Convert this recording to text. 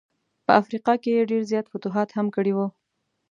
په افریقا کي یې ډېر زیات فتوحات هم کړي ول.